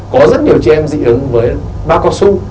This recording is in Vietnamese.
có rất nhiều chị em dị ứng với bacosu